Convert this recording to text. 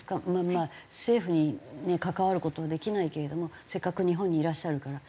まあ政府に関わる事はできないけれどもせっかく日本にいらっしゃるから。